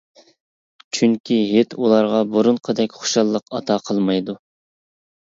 چۈنكى ھېيت ئۇلارغا بۇرۇنقىدەك خۇشاللىق ئاتا قىلمايدۇ.